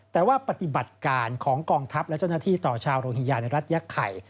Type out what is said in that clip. แต่ว่าปฏิบัติการของกองทัพและเจ้าหน้าที่ต่อชาวโรฮิงญาในรัฐยักษ์ไข่